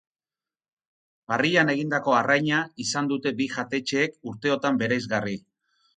Parrilan egindako arraina izan dute bi jatetxeek urteotan bereizgarri.